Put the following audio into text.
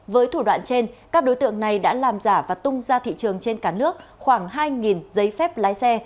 với thủ đoạn trên các đối tượng này đã làm giả và tung ra thị trường trên cả nước khoảng hai giấy phép lái xe